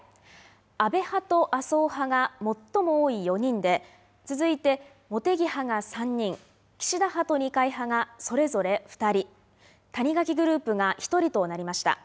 安倍派と麻生派が最も多い４人で続いて茂木派が３人、岸田派と二階派がそれぞれ２人、谷垣グループが１人となりました。